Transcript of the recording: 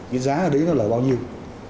cái giá ở đấy nó là bao nhiêu